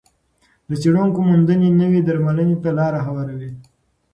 د څېړونکو موندنې نوې درملنې ته لار هواروي.